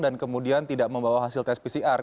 dan kemudian tidak membawa hasil tes pcr